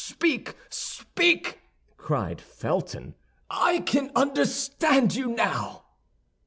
Speak, speak!" cried Felton, "I can understand you now."